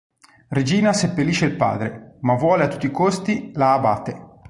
Regina seppellisce il padre, ma vuole a tutti a costi la Abate.